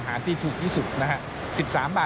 เป็นอย่างไรนั้นติดตามจากรายงานของคุณอัญชาฬีฟรีมั่วครับ